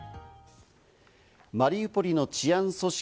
マリウポリの治安組織